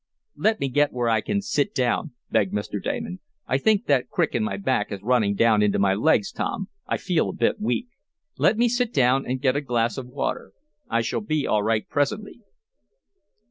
"Let me get where I can sit down," begged Mr. Damon. "I think that crick in my back is running down into my legs, Tom. I feel a bit weak. Let me sit down, and get me a glass of water. I shall be all right presently."